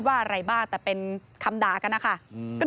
เนี่ยค่ะแล้วก็มีผู้ที่เห็นเหตุการณ์เขาก็เล่าให้ฟังเหมือนกันนะครับ